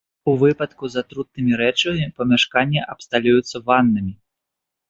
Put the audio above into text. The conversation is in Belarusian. У выпадку з атрутнымі рэчывамі памяшканні абсталююцца ваннамі.